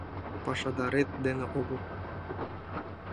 — Пашадарет дене огыл.